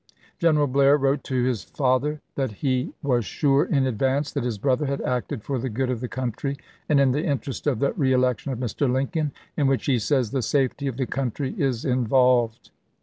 General Blair wrote to his father that he was sure in advance that his brother had acted for the good of the country, and in the interest of the reelection of Mr. Lincoln, in which he says " the safety of the country is involved."